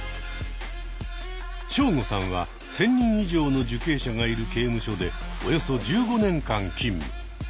ショウゴさんは１，０００人以上の受刑者がいる刑務所でおよそ１５年間勤務。